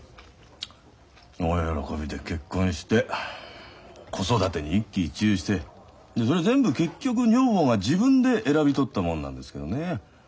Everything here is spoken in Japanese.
大喜びで結婚して子育てに一喜一憂してそれは全部結局女房が自分で選び取ったものなんですけどね。